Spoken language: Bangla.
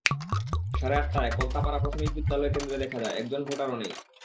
সাড়ে আটটায় কলতাপাড়া প্রাথমিক বিদ্যালয় কেন্দ্রে দেখা যায়, একজন ভোটারও নেই।